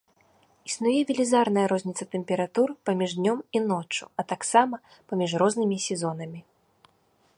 Існуе велізарная розніца тэмператур паміж днём і ноччу, а таксама паміж рознымі сезонамі.